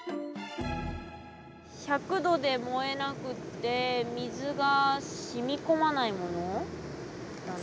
１００度で燃えなくって水が染み込まないものだね。